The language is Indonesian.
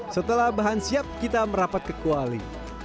setelah bahan siap kita merapat ke kuali